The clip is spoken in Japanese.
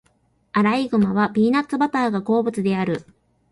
アライグマはピーナッツバターが好物である。